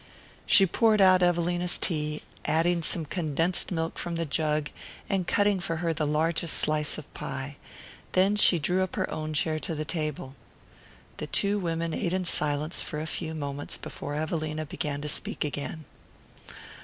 She poured out Evelina's tea, adding some condensed milk from the jug, and cutting for her the largest slice of pie; then she drew up her own chair to the table. The two women ate in silence for a few moments before Evelina began to speak again.